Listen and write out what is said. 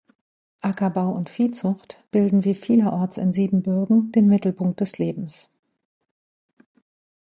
Ackerbau und Viehzucht bilden wie vielerorts in Siebenbürgen den Mittelpunkt des Lebens.